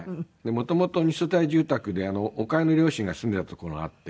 もともと２世帯住宅で岡江の両親が住んでた所があって。